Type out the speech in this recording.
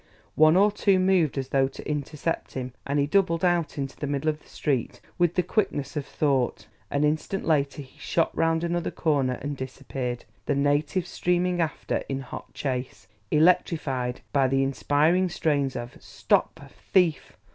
One or two moved as though to intercept him, and he doubled out into the middle of the street with the quickness of thought; an instant later he shot round another corner and disappeared, the natives streaming after in hot chase, electrified by the inspiring strains of "Stop, thief!"